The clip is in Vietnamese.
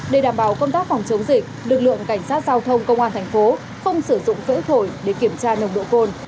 để đảm bảo công tác phòng chống dịch lực lượng cảnh sát giao thông công an tp không sử dụng vỡ thổi để kiểm tra nông độ cồn